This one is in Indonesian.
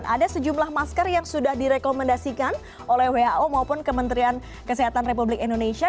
ada sejumlah masker yang sudah direkomendasikan oleh who maupun kementerian kesehatan republik indonesia